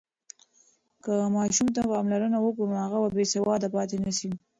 که ماشوم ته پاملرنه وکړو، نو هغه به بېسواده پاتې نه سي.